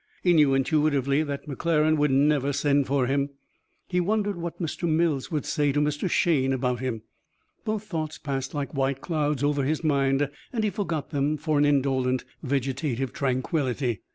He knew intuitively that McClaren would never send for him; he wondered what Mr. Mills would say to Mr. Shayne about him. Both thoughts passed like white clouds over his mind and he forgot them for an indolent vegetative tranquillity.